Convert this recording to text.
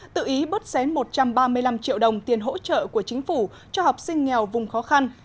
tự ý bớt xén một trăm ba mươi năm triệu đồng tiền hỗ trợ của chính phủ cho học sinh nghèo vùng khó khăn